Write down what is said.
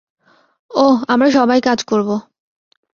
ওহ, আমরা সবাই কাজ করবো।